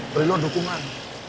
beri lo dukungan